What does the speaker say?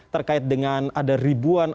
terkait dengan ada ribuan